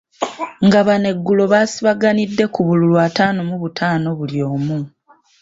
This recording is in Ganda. Nga bano eggulo baasibaganidde ku bululu ataano mu butaano buli omu.